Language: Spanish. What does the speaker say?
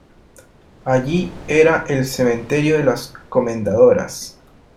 allí era el cementerio de las Comendadoras.